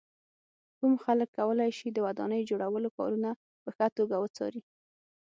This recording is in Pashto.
کوم خلک کولای شي د ودانۍ جوړولو کارونه په ښه توګه وڅاري.